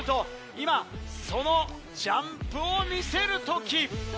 今そのジャンプを見せる時。